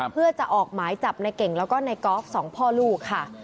เพื่อจะออกหมายจับในเก่งแล้วก็ในกอล์ฟสองพ่อลูกค่ะ